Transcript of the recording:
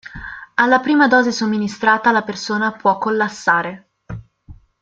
Alla prima dose somministrata la persona può collassare.